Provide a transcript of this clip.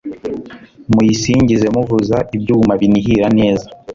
muyisingize muvuza ibyuma binihira neza